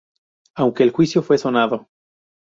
Aunque el juicio fue sonado.